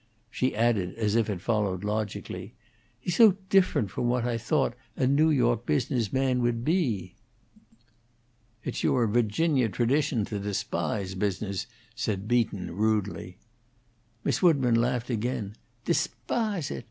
She added, as if it followed logically, "He's so different from what I thought a New York business man would be." "It's your Virginia tradition to despise business," said Beaton, rudely. Miss Woodburn laughed again. "Despahse it?